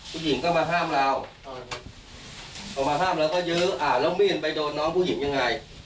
ผู้หญิงก็มาห้ามเราพอมาห้ามเราก็เยอะแล้วมีดไปโดนน้องผู้หญิงยังไง